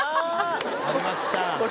ありました